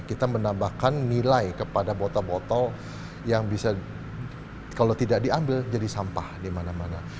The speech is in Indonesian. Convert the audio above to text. kita menambahkan nilai kepada botol botol yang bisa kalau tidak diambil jadi sampah di mana mana